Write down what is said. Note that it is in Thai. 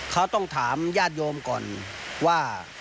เขาต้องถามญาติโยมก่อนว่า